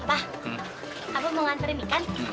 abah abah mau nganterin ikan